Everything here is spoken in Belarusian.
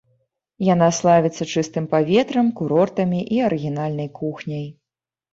Яна славіцца чыстым паветрам, курортамі і арыгінальнай кухняй.